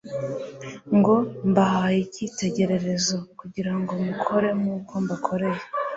ngo : "Mbahaye icyitegererezo kugira ngo mukore nk'uko mbakoreye."